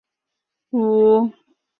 后吴国为越国所灭。